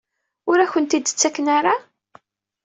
Ur akent-t-id-ttaken ara?